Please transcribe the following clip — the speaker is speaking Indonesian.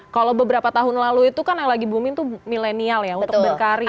kalau beberapa tahun lalu itu kan yang lagi booming tuh milenial ya untuk berkarya